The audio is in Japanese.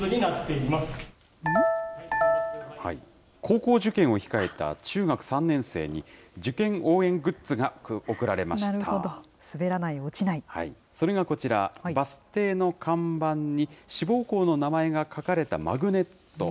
高校受験を控えた中学３年生に、なるほど、それがこちら、バス停の看板に志望校の名前が書かれたマグネット。